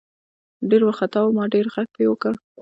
ډېر ورخطا وو ما ډېر غږ پې وکړه .